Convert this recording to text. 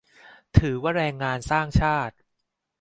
ถือว่าแรงงานสร้างชาติ